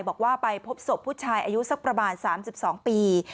บอกว่าไปพบศพผู้ชายอายุสักประมาณ๓๒ปี